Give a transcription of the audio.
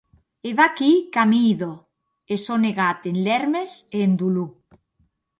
E vaquí qu’amii dòu, e sò negat en lèrmes e en dolor.